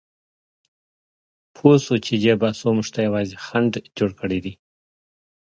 پوهه شو چې دې بحثونو موږ ته یوازې خنډ جوړ کړی دی.